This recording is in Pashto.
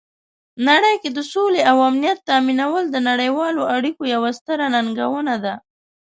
نړۍ کې د سولې او امنیت تامینول د نړیوالو اړیکو یوه ستره ننګونه ده.